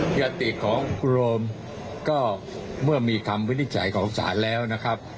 ยัตติของคุณโรมก็เมื่อมีคำวินิจฉัยของศาลแล้วนะครับ